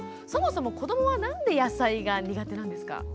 そもそも子どもは何で野菜が苦手なんですか？